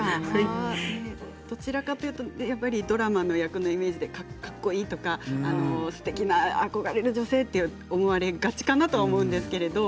どちらかというとドラマのイメージでかっこいいとかすてきな憧れる女性と思われがちかなと思うんですけれど。